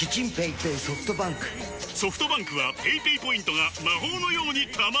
ソフトバンクはペイペイポイントが魔法のように貯まる！